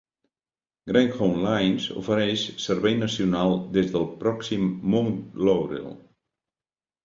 Greyhound Lines ofereix servei nacional des del pròxim Mount Laurel.